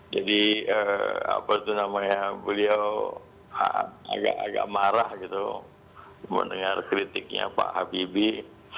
jadi apa itu namanya beliau agak agak marah gitu mendengar kritiknya pak habibie